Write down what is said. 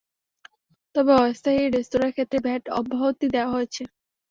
তবে অস্থায়ী রেস্তোরাঁর ক্ষেত্রে ভ্যাট অব্যাহতি দেওয়া হয়েছে।